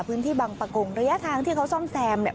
พื้นที่บังปะกงระยะทางที่เขาซ่อมแซมเนี่ย